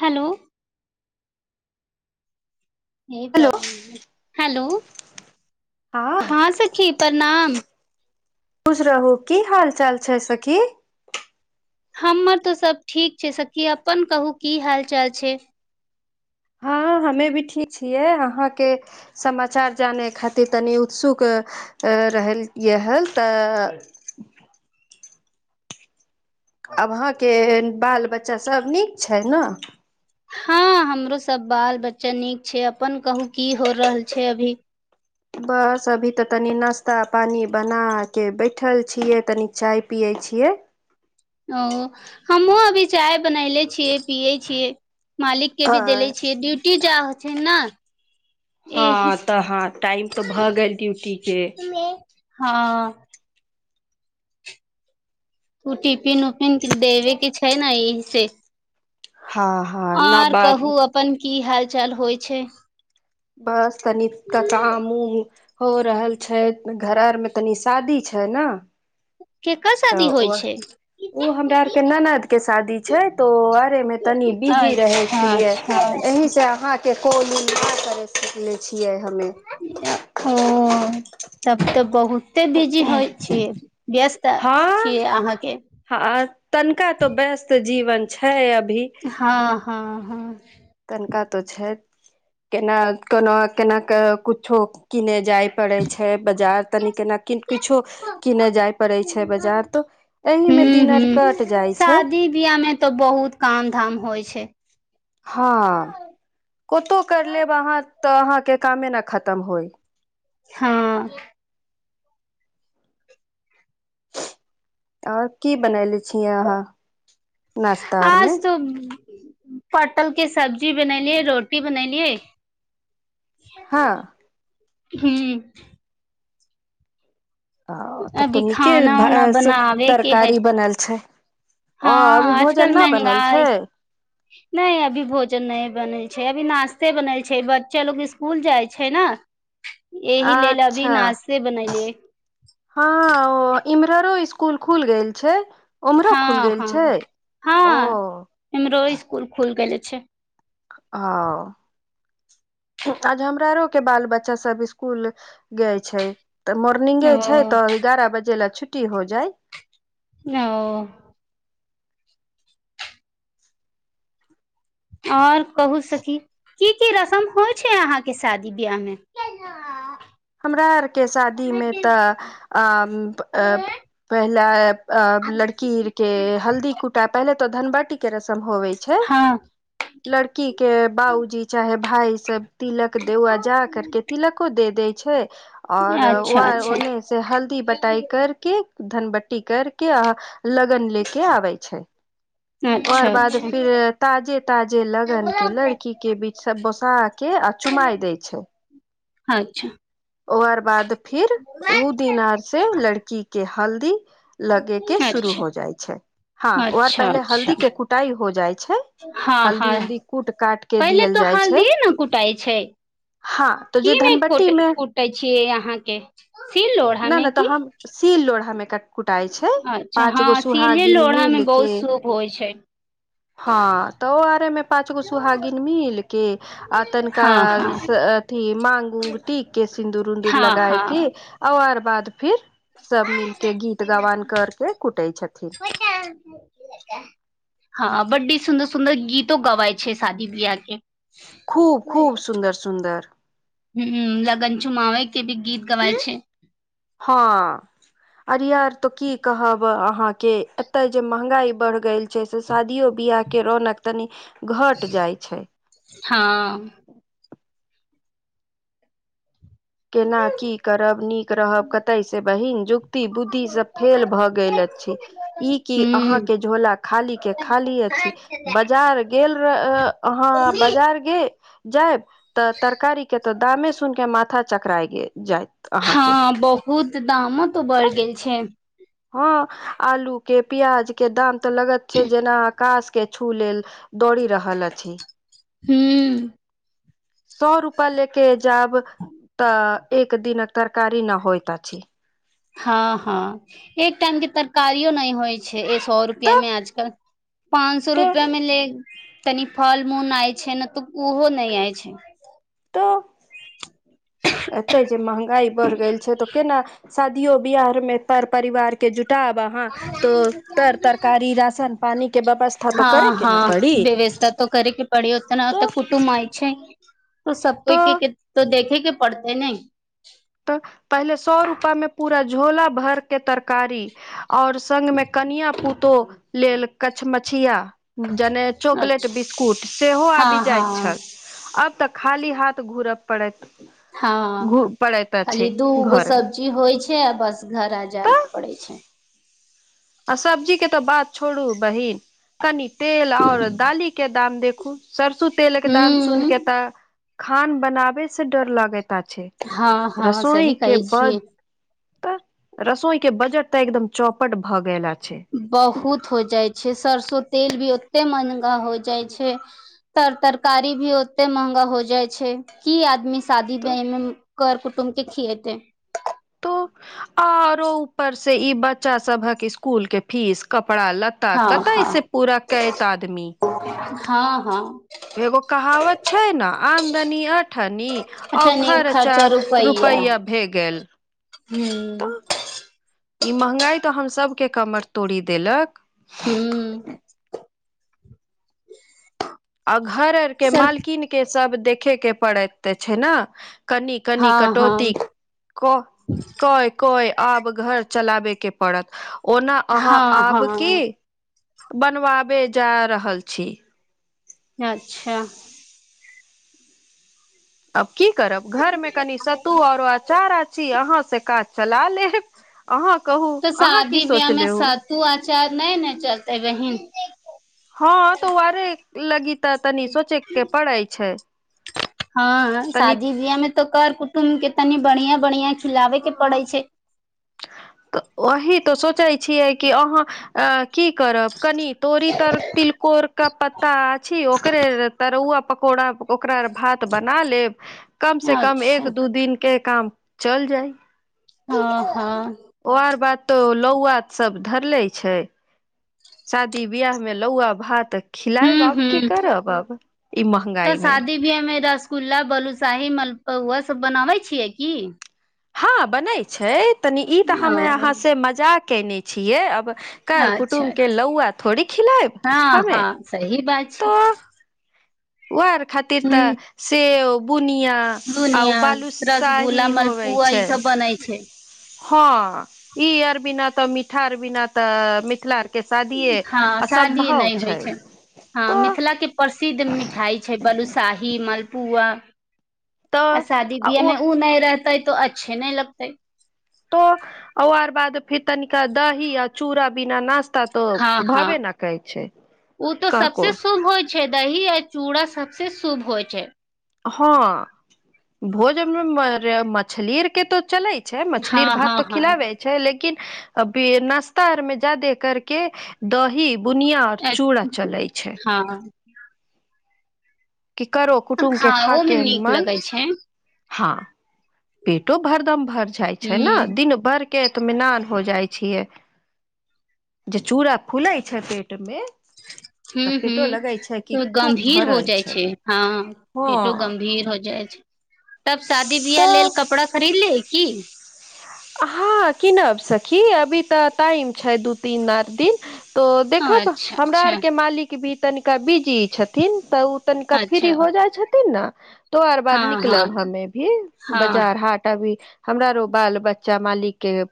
hello hello hello हँ सखी प्रणाम खुश रहू की हाल चाल छै सखी हमर तऽ सब ठीक छै सखी अपन कहू की हाल चाल छै हँ हमे भी ठीक छियै अहाँके समाचार जाने खातिर तनि उत्सुक रहल इएह तऽ [inaudible] आब अहाँके बाल बच्चा सभ नीक छै ने हँ हमरो सब बाल बच्चा नीक छै अपन कहू की हो रहल छै अभी बस अभी ते तनी नास्ता पानी बना के बैठल छीये तनी चाय पिये छी छियै ओ हमहुँ अभी चाय बनैले छियै पियै छियै मालिक के आ भी देले छियै ड्यूटी जा होइ छै ने एहि हँ तऽ हँ टाइम तऽ भऽ गेल ड्यूटी के हँ ओ टिफिन उफिन देबे के छै ने एहि से हँ हँ न आर बा कहू आपन की हाल चाल हो छै बस तनिक काम ऊम हो रहल छै घर आरमे तनी शादी छै ने केकर तऽ शादी होइ ओ छै ओ हमरा आर के ननद के शादी छै तो आरे मे तनि बिजी रहै अच्छा छियै अच्छा य से आहाँके कॉल इंग नहि कर सकले [unintelligible] हमे ओ तब तऽ बहुत एते बिजी होइ छियै व्यस्त हँ छियै आहाँके हँ तनिका तो व्यस्त जीवन छै आ हँ हँ हँ तनिका तो छै केना कोना केना क कुछो किने जाय पडै छै बजार तनी केना किछो किने जाय पड़े छै बाजार तो एहि मे हूँ दिनर हूँ कट जाइ छै शादी बियाह मे तऽ बहुत काम धाम होइ छै हँ ओतो करि लेब अहाँ अर तऽ अहाँके कामे न खतम होइ हँ आओर की बनले छी आहा नाश्ता आज अरमे तो पटल के सब्जी बनेलियै रोटी बनैेलियै हँ हू ह तब तऽ अभी नीके खाना भ उना स बनाबे के है तरकारी बनल छै हँ ओ अभी आजकल भोजन न बनल छै महंगाई नहि अभी भोजन नहि बनेल छै अभी नाश्ता नशते बनल छै बच्चा लोग स्कूल जाइ छै ना अच्छा बनेलियै हँ इमररो स्कुल खुल गेल छै उम्हरो खुल हँ गेल हँ छै ओ हँ इमरो स्कूल खुल गेल‌ छै हँ आज हमरा आरो के बाल बच्चा सब स्कूल गेल छै तऽ ओ मोर्निंगे छै तऽ एगारह बजे ल छुट्टी हो जाय न ओ और कहू सखी की की रसम होइ छै आहाँ के शादी बियाह मे हमरा आरके शादीमे तऽ अ [unintelligible] पहला अ लड़की के हल्दी कुटा पहले तऽ धनबट हल्दी के रसम होवे छै हँ लड़की के बाबूजी चाहे भाई सब तिलक देौआ जा करके तिलको दे देय छै और अच्छा व अच्छा ओने से हल्दी बटाई करके धनबट्टी कर के अ लगन ले के आबै छै और अच्छा बाद अच्छा फिर ताजे ताजे लगन के लड़की के बीच बोसा के चुमाइ दै छै अच्छा ओकर बाद फिर ओ दिन से लड़की के हल्दी लगे के शुरू अच्छा हो जाइ छै हँ वर अच्छा पहले हल्दी अच्छा के कुटाई हो जाइ छै हँ हल्दी हँ उल्दी कूट काट के पहिले दियल तऽ जाइ छै हल्दिऐ ने कुटाइ छै हँ तो कि जे नहि धनबट्टी कोट कुट मे कुटाई छीय यहाँ के से फीर लोडामे की लोडा मे क कुटाई छै अच्छा पाँच गो हँ सीले सुहागिन लोढ़ा मे मिलके बहुत शुभ होइ छै हँ तऽ ओ आरे मे पाँच गो सुहागिन मिलके आ तनिका हँ हँ अथी मांग टीक के सिन्दूर उन्दूर हँ लगाएके हँ आर बाद फिर सब मिलके गीत गवान करके कुटै छथिन हँ बडी सुन्दर सुन्दर गीतो गबए छै शादी बियाह के खूब खूब सुन्दर सुन्दर हु लगन चुमैए गीत गबए छै हां अरियर तऽ की कहब अहाँके एतय जे महंगाई बढ़ गेल छै से शादियों बिया के रौनक तनि घट जाइ छै हँ केना की करब नीक रहब कतय से बहिन युक्ति बुद्धिसँ फेल भऽ गेलै इ ह की अहाँ के झोला खाली के खालिये छी बाजार गेल र अ आहाँ बाजार गे जायब तऽ तरकारी के तऽ दामे सुन के माथा चकराय गेल जाइत अहाँके हँ बहुत दामो तो तऽ बढ़ गेल छै हँ आलू के प्याज के दाम तऽ लगैत छै जेना आकाश के छू लेल दौड़ि रहल अछि हू सए रुपे ले के जायब तऽ एक दिन तरकारी न होइ त अछि हँ हँ एक टाइम के तरकारियो नहि होइ छै सए रुपया तऽ में आज काल्हि पाँच सए तऽ रुपआ मे ले तनी फल मूनाए छै ने तऽ उहो नहि आइ छै तऽ [inaudible] एते जे महंगाई बढ़ गेल छै तऽ केना शादियो बियाह मे पर परिवार के जु टाब अहाँ तो तर तरकारी राशन पानी के व्यवस्था तऽ करे के नऽ पड़ी त तऽ करैके पड़ी ओतना तऽ कुटुमय छैय तऽ सब कोइ के तऽ देखेके पड़तेैय नैय तऽ पहिले सए रुपा मे पूरा झोला भर के तरकारी और संग मे कनिया पुतोह लेल कछमछिया जने चॉकलेट अच्छा बिस्कुट सेहो आबि हँ जाइत छ हँ आब तऽ खाली हाथ घूरब पड़ैत हँ घू पड़ैत खाली अछि दूगो घर मे सब्जी होइ छै छै आबस घर आ तऽ जाके पड़े के छै आ सब्जी के तऽ बात छोड़ू बहिन कनि तेल आऔर दालीक के दाम देखू सरसो तेलक दाम सुन हूँ केे तऽ खान बनाबे से डर लागे ता छै हँ हँ सही रसोई के कहै बद छियै तऽ रसोई के बजट तऽ एकदम चौपट भऽ गेल ह बहुत हो जाइ छै सरसो तेल भी ओते महंगा हो जाय छै तर तरकारी भी ओते महंगा हो जाइ छै की आदमी शादी तऽ ब्याह मे कर कुटुम्ब के खियएतै तो आरो ऊपर से ई बच्चा सभक इस्कुल के फीस कप कपड़ा लता हँ हँ कतइे पूरा कैैत आदमी हाँ हाँ एगो कहावत छै न आमदनी अठनी आ खर्चा रुप पैया भए गेल हू तऽ ई महगाई तऽ हम सभके कमर तोड़ि देलक हू आ घर अर के सर मालकिन के सब देखे के पड़ैत छैय न कनी कनी हँ कटौती हँ को कोय कोय आब घर चलाबे के पड़त ओना अहाँ हँ आबके हँ बनवाबे जा रहल छी अच्छा आब की करब घरमे कनि सतु आरो अंचार आछी अहाँ से काज चला लेब अहाँ कहू तऽ अहाँ की शादी ब्याह में सोचले हु सत्तु अचार नई ने चलतै बहिन हँअ् तऽ आरे लगी तऽ तनी सोचे के पड़ैइ छैइ हँअ् शादी बियाह में तऽ कर कुटुम्ब के तनी बन्हिया बन्हिया खिलाबे के हँ पड़ै छैइ तऽ ओही तऽ सोचैत छियै कि अहाँ अ की करब कनि तोरी तर तिलकोर क पत्ता अछि ओकरे तरुआ प कोड़ा ओकरा भात बना लेब कम से कम अच्छा एक दू दिन के काम चल जाइ हंअ् हंअ् ओ आर बात तो लौआ सब धरले छैइ शादी बियाह में लौआ भात खिलायब हूँ आब की हूँ करब अब ई महंगाई में कुल्ला बलुसाही मलपौआ उहे सब बनाबै छियै की हँअ् बनैइ छैइ तनी ई तऽ हम ओ अहाँसँ मजाक कयने छियै अब कर कुटुम अच्छा के लहुआ थोड़ी खिलायब हँ हमे हँ सही बात छै ओआर खातिर तऽ हूँ सेव बुनिया आ बुनिया बालुसाही रसगुल्ला होबै मलपुआ ई छै सब बनै छै हँअ् ई आर बिना तऽ मीठा आर बिना तऽ मिथिलाक हां शादी नई होइ छैइ हां तऽ मिथिला के परस सिद्ध मिठाई छैइ बलूसाही मलपुआ आ तऽ शादी आ बिआ ओ में उ नई रहतै त अच्छे नई लगतै तो ओआर बाद फेर तनिका दही आ चूरा बिना नाश्ता हां हां ओ तऽ सबस कहको शुभ होइ छैइ दही है चूड़ा सबसे शुभ होइ छैई हँअ् भोजन में मर मछली आर के तो चलैत मछली हँ र भात हँ तो हँ खिलाबै छैइ लेकिन किन अभी नाश्ता आर मे जादे करके दही बुनिया और अ- चूड़ा चलैइ छैइ [inaudible] करो कुटुम्बके खाओ मे खाके नीक मन लगै छै हां पेटो भरदम भरि जाइ छैइ ना हूँ दिन भर एतमेनान हो जाइ छियै जे चूड़ा फूलै छैइ पेट में [inaudible] हूंअ् हूंअ् खूब गंभीर हो भरल जाइ छै छैइ हां हँ पेटो गंभीर हो जाइ छैइ तब शादी बियाह लेल कपड़ा खरीद लेही की हाँ कीनब सखी अभी तऽ टाइम छैइ दू तीन आठ दिन तोऽ देखब अच्छा हमरा अच्छा आरके मालिक भी तनिका बिजी छथिन तऽ तनिका अच्छा फिरी हो जाइ छथिन न तो आर बाद हँ हँ निकलब हमे भी हँ बाजार हाट अभी हमरा रो बाल बच्चा मालिक के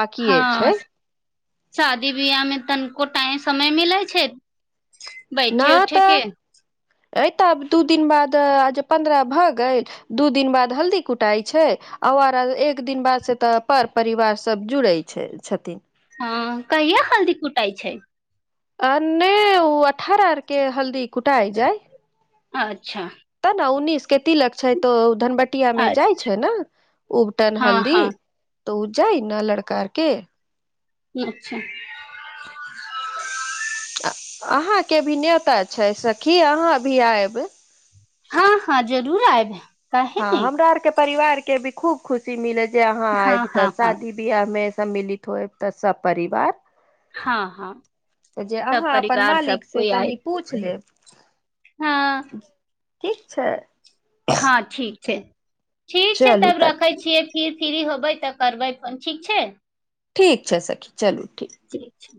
बाकिये हँ छैइ शादी बियाहमे तनिको टाइम समय मिलैइ छैइ बैठे उठे के ऐतऽ आब दू दिन बाद आज पन्द्रह भऽ गेल दू दिन बाद हल्दी कुटाई छैइ औ आर एक दिन बादसँ तऽ पर परिवार सभ जुड़ैइ छै छथिन हँ कहिया हल्दी कुटाइ छै आ नहि ओ अठारह आर के हल्दी कुटाइ जाइ अच्छा उन्नीस क तिलक छै त धनब टिया मे अ जाइ छै ने उबटन हँ हल्दी हँ त ओ जाइ न लड़का के अच्छा आ अहाँ के भी नेयोता छै सखी अहाँ भी आयब हँ हँ जरूर आयब काहे हँ ने हमरा आरके परिवार के भी खूब खुशी मिलत जे अहाँ हँ आयब तऽ हँ हँ शादी बियाहमे सम्मिलित होयब तऽ सब परिवार हँ हँ तऽ जे सब अहाँ अपन परिवार सब मालिक से कोइ तनि आयब पूछि लेब हँ ठीक छै हँ ठीक छै ठीक छै चलू तब तऽ रखै छियै फीर फिरी होबै तऽ करबै फोन ठीक छै ठीक छै सखी चलू ठीक छै